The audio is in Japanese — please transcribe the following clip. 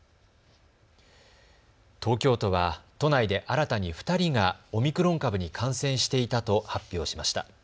東京都は都内で新たに２人がオミクロン株に感染していたと発表しました。